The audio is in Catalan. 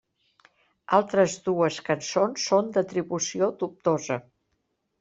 Altres dues cançons són d'atribució dubtosa.